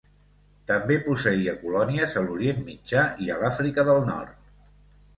També posseïa colònies a l'Orient Mitjà i a l'Àfrica del Nord.